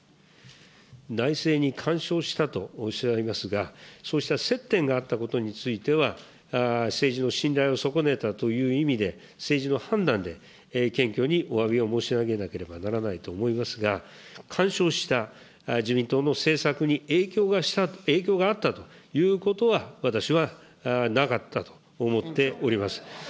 内政に干渉したとおっしゃいますが、そうした接点があったことについては、政治の信頼を損ねたという意味で、政治の判断で謙虚におわびを申し上げなければならないと思いますが、干渉した、自民党の政策に影響があったということは、私はなかったと思っております。